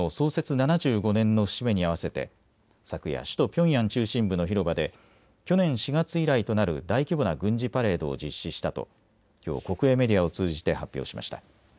７５年の節目に合わせて昨夜、首都ピョンヤン中心部の広場で去年４月以来となる大規模な軍事パレードを実施したときょう国営メディアを通じて発表しました。